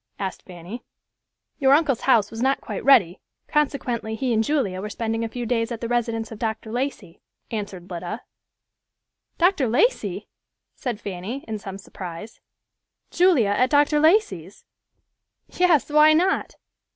asked Fanny. "Your uncle's house was not quite ready, consequently he and Julia were spending a few days at the residence of Dr. Lacey," answered Lida. "Dr. Lacey!" said Fanny, in some surprise. "Julia at Dr. Lacey's?" "Yes, why not?"